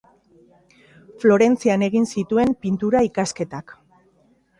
Florentzian egin zituen pintura ikasketak.